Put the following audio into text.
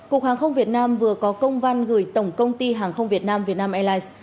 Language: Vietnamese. cục hàng không việt nam vừa có công văn gửi tổng công ty hàng không việt nam vietnam airlines